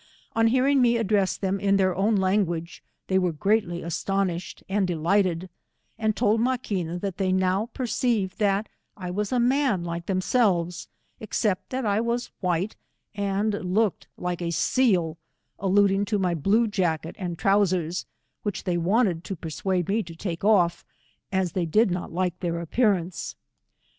On hearing me address them in their own language, they were greatly astonished and delighted, and told Maquina that they now perceived that I was a man like themselves, except that I was white and looked like a seal, alluding to Boy blue jacket and trowsers, which they wanted 125 to persuade me to take off, as they did not like their appearance.